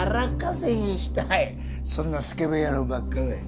そんなスケベ野郎ばっかだよ。